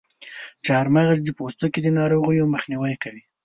چارمغز د پوستکي د ناروغیو مخنیوی کوي.